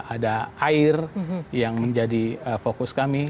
ada air yang menjadi fokus kami